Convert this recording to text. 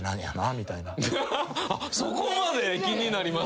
そこまで気になります？